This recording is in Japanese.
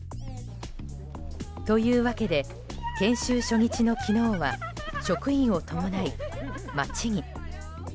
というわけで研修初日の昨日は職員を伴い街に。